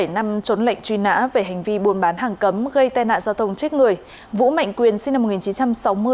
một mươi năm trốn lệnh truy nã về hành vi buôn bán hàng cấm gây tai nạn giao thông chết người vũ mạnh quyền sinh năm một nghìn chín trăm sáu mươi